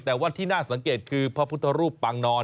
แต่ว่าที่น่าสังเกตคือพระพุทธรูปปางนอน